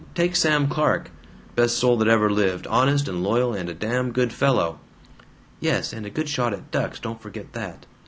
Take Sam Clark; best soul that ever lived, honest and loyal and a damn good fellow " ("Yes, and a good shot at ducks, don't forget that!")